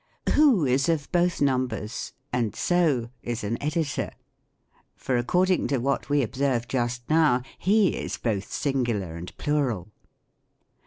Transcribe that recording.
Who is of both numbers ; and so is an Editor ; for, according to what we observed just now, he is both singular and plural.